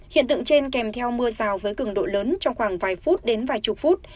hiện tượng trên kèm theo mưa sào với cường độ lớn trong khoảng vài phút đến vài chục phút